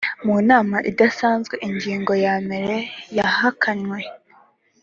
mu nama idasanzwe ingingo yamere yahakanywe.